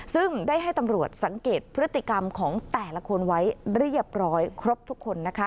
ซึ่งได้ให้ตำรวจสังเกตพฤติกรรมของแต่ละคนไว้เรียบร้อยครบทุกคนนะคะ